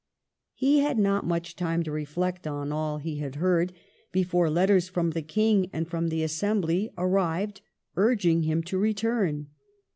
He had not much time to reflect on all he had heard before letters from the King and from the Assem bly arrived urging him to return.